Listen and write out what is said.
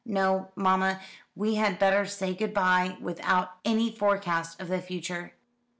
No, mamma, we had better say good bye without any forecast of the future.